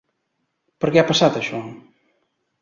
Per què ha passat això?